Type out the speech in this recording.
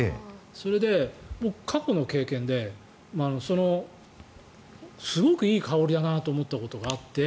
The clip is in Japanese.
それで、過去の経験ですごくいい香りだなと思ったことがあって